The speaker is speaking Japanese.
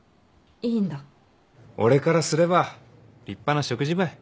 俺からすれば立派な食事ばい。